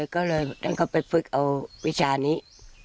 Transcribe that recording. ก็เลยฉะนั้นเขาไปฟึกเอาวิชานี้